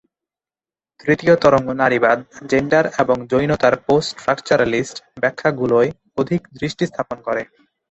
তৃতীয় তরঙ্গ নারীবাদ জেন্ডার এবং যৌনতার পোস্ট-স্ট্রাকচারালিস্ট ব্যাখ্যাগুলোয় অধিক দৃষ্টি স্থাপন করে।